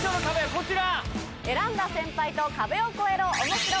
こちら。